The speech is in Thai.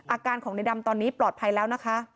อาการของในดำตอนนี้ปลอดภัยแล้วนะคะ